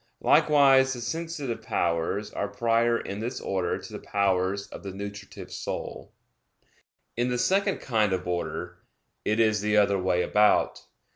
Likewise the sensitive powers are prior in this order to the powers of the nutritive soul. In the second kind of order, it is the other way about.